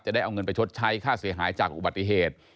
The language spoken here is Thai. ได้เอาเงินไปชดใช้ค่าเสียหายจากอุบัติเหตุ